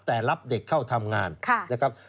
แต่รับเด็กเข้าทำงานนะครับ